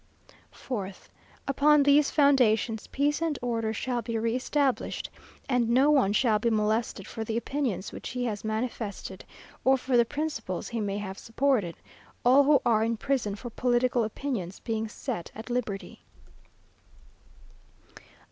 "4th. Upon these foundations, peace and order shall be re established, and no one shall be molested for the opinions which he has manifested, or for the principles he may have supported, all who are in prison for political opinions being set at liberty."